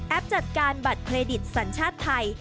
จัดการบัตรเครดิตสัญชาติไทย